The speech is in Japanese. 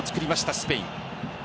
スペイン。